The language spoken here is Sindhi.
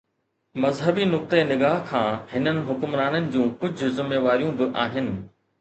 مذهبي نقطه نگاهه کان هنن حڪمرانن جون ڪجهه ذميواريون به آهن.